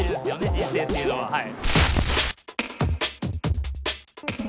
人生っていうのははい。